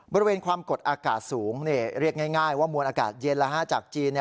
บริเวณความกดอากาศสูงเรียกง่ายว่ามวลอากาศเย็นจากจีน